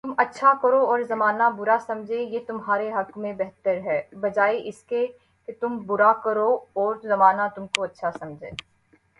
تم اچھا کرو اور زمانہ برا سمجھے، یہ تمہارے حق میں بہتر ہے بجائے اس کے تم برا کرو اور زمانہ تم کو اچھا سمجھے